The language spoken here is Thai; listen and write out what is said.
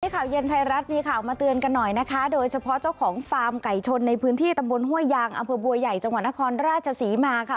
ข่าวเย็นไทยรัฐมีข่าวมาเตือนกันหน่อยนะคะโดยเฉพาะเจ้าของฟาร์มไก่ชนในพื้นที่ตำบลห้วยยางอำเภอบัวใหญ่จังหวัดนครราชศรีมาค่ะ